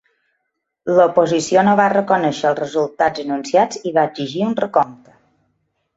L'oposició no va reconèixer els resultats anunciats i va exigir un recompte.